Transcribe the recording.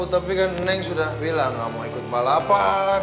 tapi kan neng sudah bilang gak mau ikut balapan